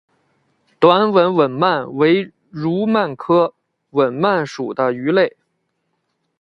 短吻吻鳗为糯鳗科吻鳗属的鱼类。